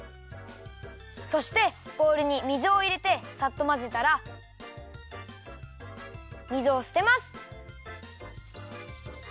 そしてボウルに水をいれてサッとまぜたら水をすてます！